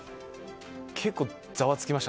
結構ざわつきました。